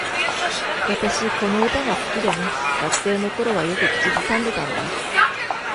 私、この歌が好きでね。学生の頃はよく口ずさんでたんだ。